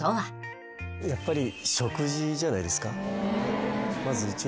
やっぱり。